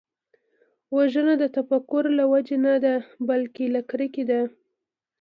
وژنه د تفکر له وجې نه ده، بلکې له کرکې ده